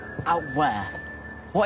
おい！